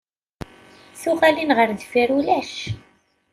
Tuɣalin ar deffir ulac.